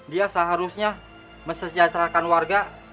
dia seharusnya mesejahterakan warga